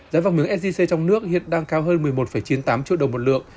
giá vàng miếng sgc trong nước hiện đang cao hơn một mươi một chín mươi tám triệu đồng một lượng